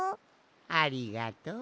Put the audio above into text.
ありがとう。